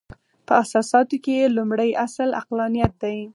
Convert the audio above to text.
په اساساتو کې یې لومړۍ اصل عقلانیت دی.